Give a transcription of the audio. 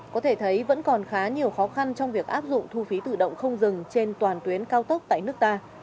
có thể thấy vẫn còn khá nhiều khó khăn trong việc áp dụng thu phí tự động không dừng trên toàn tuyến cao tốc tại nước ta